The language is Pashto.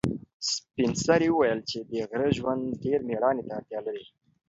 سپین سرې وویل چې د غره ژوند ډېر مېړانې ته اړتیا لري.